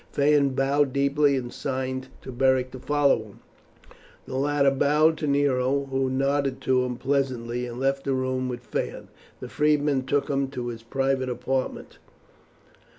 Phaon bowed deeply and signed to Beric to follow him; the latter bowed to Nero, who nodded to him pleasantly, and left the room with Phaon. The freedman took him to his private apartment.